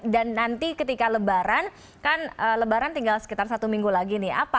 dan nanti ketika lebaran kan lebaran tinggal sekitar satu minggu lagi nih apa